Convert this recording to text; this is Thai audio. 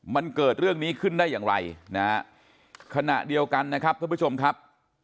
มันเกิดเรื่องนี้ขึ้นได้อย่างไรนะฮะขณะเดียวกันนะครับท่านผู้ชมครับ